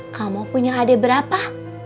kamu punya adik berapa